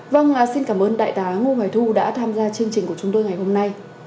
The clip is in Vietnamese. vâng xin cảm ơn đại tá ngô hoài thu đã tham gia chương trình của chúng tôi ngày hôm nay